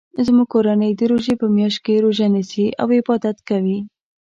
زموږ کورنۍ د روژی په میاشت کې روژه نیسي او عبادت کوي